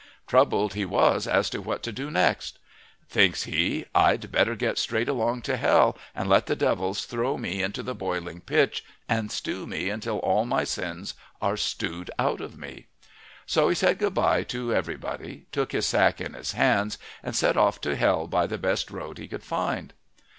Troubled he was as to what to do next. Thinks he: "I'd better get straight along to hell, and let the devils throw me into the boiling pitch, and stew me until all my sins are stewed out of me." So he said good bye to everybody, took his sack in his hands and set off to hell by the best road he could find.